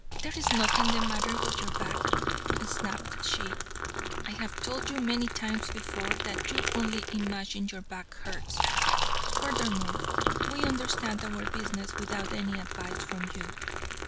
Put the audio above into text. "There is nothing the matter with your back," snapped she. "I have told you many times before that you only imagine your back hurts. Furthermore, we understand our business without any advice from you."